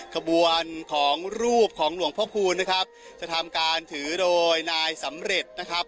ขบวนของรูปของหลวงพ่อคูณนะครับจะทำการถือโดยนายสำเร็จนะครับ